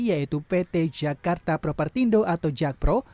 yaitu pt jakarta propertindo atau jakpro